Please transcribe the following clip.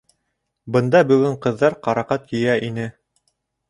Бында бөгөн ҡыҙҙар ҡарағат йыя ине.